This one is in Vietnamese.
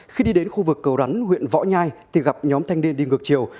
khi đi đến khu vực cầu rắn huyện võ nhai thì gặp nhóm thanh niên đi ngược chiều